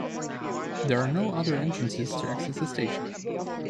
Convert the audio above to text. There are no other entrances to access the station.